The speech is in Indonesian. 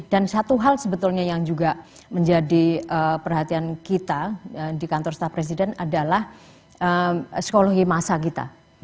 dan satu hal sebetulnya yang juga menjadi perhatian kita di kantor staff presiden adalah psikologi masa kita